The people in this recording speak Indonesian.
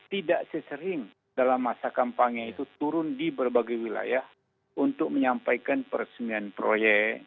tidak sesering dalam masa kampanye itu turun di berbagai wilayah untuk menyampaikan peresmian proyek